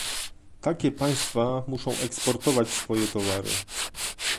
Takie państwa muszą eksportować swoje towary